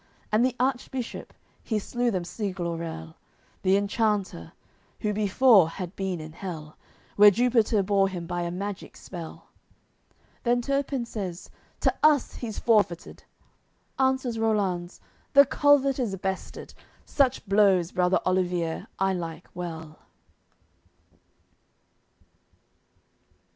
And the Archbishop, he slew them Siglorel, The enchanter, who before had been in hell, Where Jupiter bore him by a magic spell. Then Turpin says "To us he's forfeited." Answers Rollanz: "The culvert is bested. Such blows, brother Olivier, I like well."